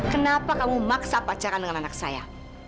kenapa kamu maksa pacaran dengan anak saya